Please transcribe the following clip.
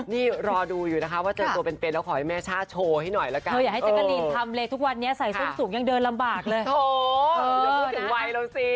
พร้อมพูดถึงร้ายการข้านี้เลย